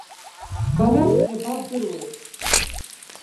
Бара иабабдыруеи!